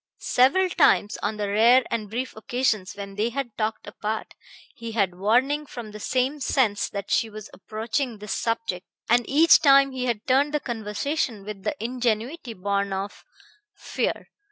Several times, on the rare and brief occasions when they had talked apart, he had warning from the same sense that she was approaching this subject; and each time he had turned the conversation with the ingenuity born of fear.